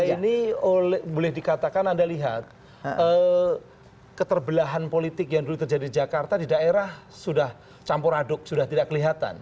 ini boleh dikatakan anda lihat keterbelahan politik yang dulu terjadi di jakarta di daerah sudah campur aduk sudah tidak kelihatan